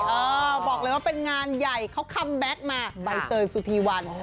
เออบอกเลยว่าเป็นงานใหญ่เขาคัมแบ็คมาใบเตยสุธีวัน